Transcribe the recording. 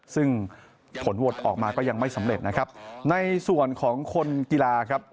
ซึ่งผลโหวตออกมาก็ยังไม่สำเร็จนะครับในส่วนของคนกีฬาครับ